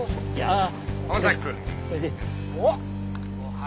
ああ！